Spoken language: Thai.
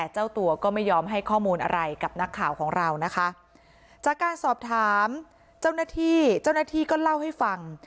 เจ้าหน้าที่ก็เล่าให้ฟัง